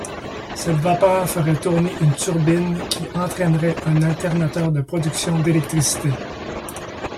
Cette vapeur ferait tourner une turbine qui entraînerait un alternateur de production d’électricité.